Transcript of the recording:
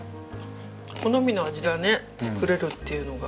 好みの味がね作れるっていうのが。